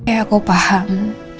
ya aku paham